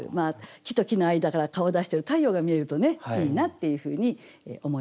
木と木の間から顔を出してる太陽が見えるとねいいなっていうふうに思います。